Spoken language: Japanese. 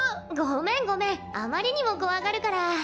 ごめんごめんあまりにも怖がるから。